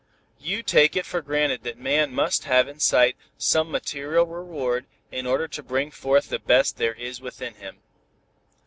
You take it for granted that man must have in sight some material reward in order to bring forth the best there is within him.